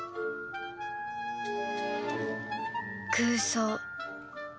空想